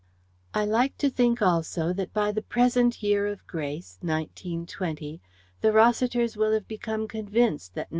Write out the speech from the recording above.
I like to think also that by the present year of grace 1920 the Rossiters will have become convinced that No.